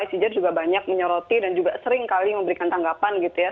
icjr juga banyak menyoroti dan juga seringkali memberikan tanggapan gitu ya